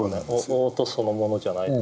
音そのものじゃないですよね。